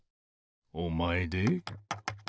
おまえで？